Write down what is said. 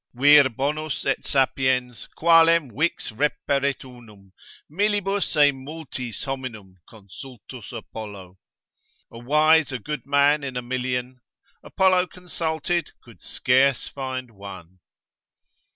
Vir bonus et sapiens, qualem vix repperit unum Millibus e multis hominum consultus Apollo. A wise, a good man in a million, Apollo consulted could scarce find one.